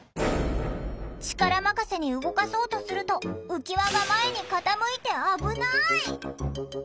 力任せに動かそうとすると浮き輪が前に傾いて危ない！